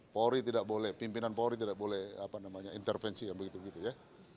polri tidak boleh pimpinan polri tidak boleh apa namanya intervensi yang begitu begitu ya